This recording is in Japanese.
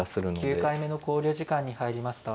９回目の考慮時間に入りました。